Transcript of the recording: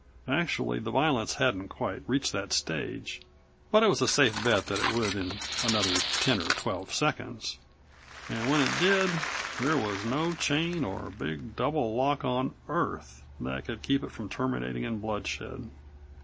Actually the violence hadn't quite reached that stage. But it was a safe bet that it would in another ten or twelve seconds. And when it did there was no chain or big double lock on Earth that could keep it from terminating in bloodshed.